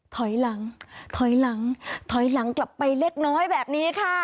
ถอยหลังถอยหลังถอยหลังกลับไปเล็กน้อยแบบนี้ค่ะ